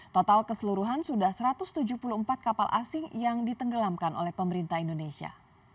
total keseluruhan sudah satu ratus tujuh puluh empat kapal asing yang ditenggelamkan oleh pemerintah indonesia